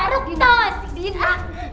maruk toh si dina